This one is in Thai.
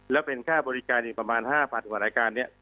แล้วเป็นค่าบริการประมาณ๕๐๐๐รายการเนี่ย